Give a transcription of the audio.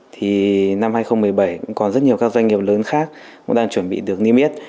thì năm hai nghìn một mươi bảy cũng còn rất nhiều các doanh nghiệp lớn khác cũng đang chuẩn bị được niêm yết